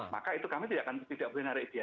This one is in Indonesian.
maka itu kami tidak akan tidak boleh menarik biaya